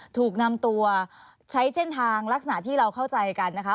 ถูกนำตัวใช้เส้นทางลักษณะที่เราเข้าใจกันนะคะ